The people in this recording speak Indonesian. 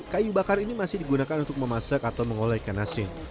kayu bakar ini masih digunakan untuk memasak atau mengolah ikan nasi